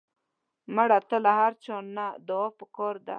مړه ته له هر چا نه دعا پکار ده